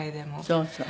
そうそう。